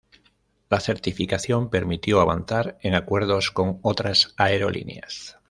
La certificación permitió avanzar en acuerdos con otras aerolíneas.